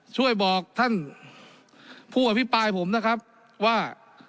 ช่วยบอกท่านผู้อภิปรายผมนะครับว่า